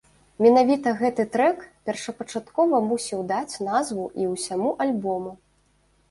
Менавіта гэты трэк першапачаткова мусіў даць назву і ўсяму альбому.